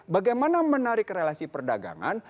bagaimana menarik relasi perdagangan